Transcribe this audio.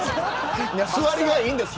据わりがいいんですよ